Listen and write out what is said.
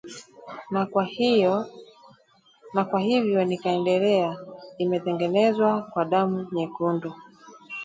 na kwa hivyo nikaendelea: “Imetengenezwa kwa damu nyekundu